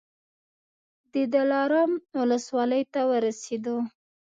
د دلارام ولسوالۍ ته ورسېدو.